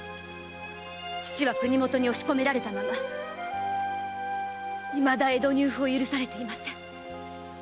父は国もとに押し込められたままいまだ江戸入府を許されていません！